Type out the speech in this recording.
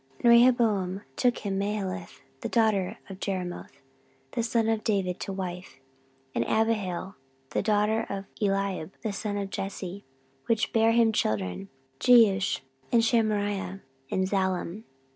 14:011:018 And Rehoboam took him Mahalath the daughter of Jerimoth the son of David to wife, and Abihail the daughter of Eliab the son of Jesse; 14:011:019 Which bare him children; Jeush, and Shamariah, and Zaham.